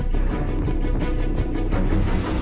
siapa lagi selak kasih sekarang